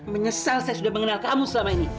menyesal saya sudah mengenal kamu selama ini